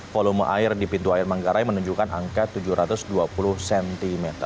volume air di pintu air manggarai menunjukkan angka tujuh ratus dua puluh cm